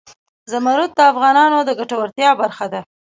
زمرد د افغانانو د ګټورتیا برخه ده.